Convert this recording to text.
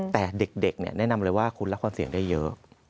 แต่เด็กแนะนำเลยว่าคุณรับความเสี่ยงได้เยอะ